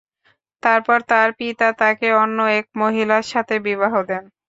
তারপর তার পিতা তাকে অন্য এক মহিলার সাথে বিবাহ দেন।